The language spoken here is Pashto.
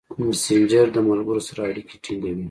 مسېنجر د ملګرو سره اړیکې ټینګوي.